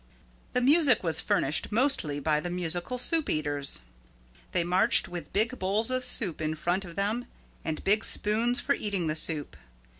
The music was furnished mostly by the Musical Soup Eaters. They marched with big bowls of soup in front of them and big spoons for eating the soup.